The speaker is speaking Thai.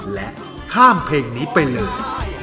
และข้ามเพลงนี้ไปเลย